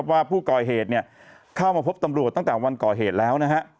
ว่าผู้ก่อเหตุเข้ามาพบตำรวจตั้งแต่วันก่อเหตุแล้วนะฮะ